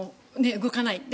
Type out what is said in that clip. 動かない。